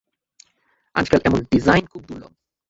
আজকাল এমন ডিজাইন খুব দুর্লভ।